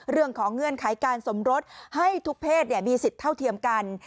เงื่อนไขการสมรสให้ทุกเพศมีสิทธิ์เท่าเทียมกัน